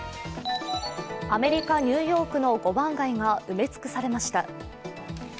アメリカ・ニューヨークの５番街が埋め尽くされました。